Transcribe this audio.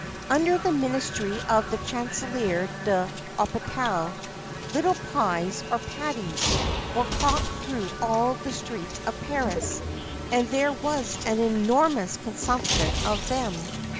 Under the ministry of the Chancelier de l'Hôpital, little pies, or patties, were hawked through all the streets of Paris, and there was an enormous consumption of them.